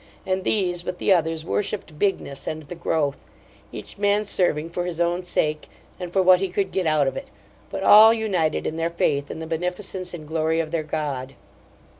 And these, with the others, worshiped Bigness and the growth, each man serving for his own sake and for what he could get out of it, but all united in their faith in the beneficence and glory of their god.